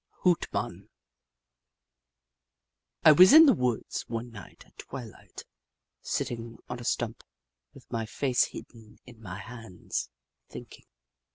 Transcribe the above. HOOT MON I WAS in the woods one night at twiHght, sitting on a stump, with my face hidden in my hands, thinking.